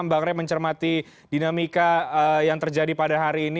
bang rey mencermati dinamika yang terjadi pada hari ini